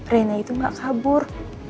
reina itu gak kabur